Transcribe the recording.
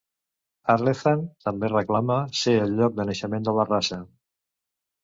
Ardlethan també reclama ser el lloc de naixement de la raça.